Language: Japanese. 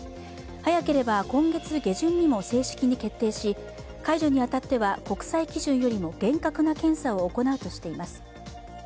早ければ今月下旬にも正式に決定し解除に当たっては、国際基準よりも厳格な検査を行うとしています。